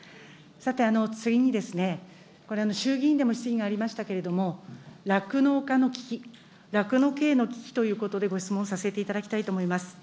さて、次に、これ、衆議院でも質疑がありましたけれども、酪農家の危機、酪農経営の危機ということでご質問させていただきたいと思います。